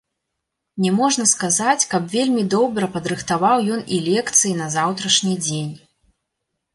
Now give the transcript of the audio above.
Не можна сказаць, каб вельмі добра падрыхтаваў ён і лекцыі на заўтрашні дзень.